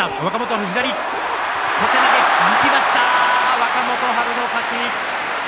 若元春の勝ち。